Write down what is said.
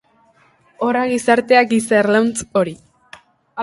Horra gizartea, giza erlauntz hori.